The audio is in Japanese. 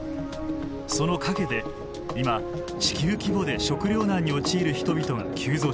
その陰で今地球規模で食料難に陥る人々が急増しています。